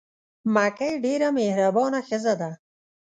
مکۍ ډېره مهربانه ښځه وه.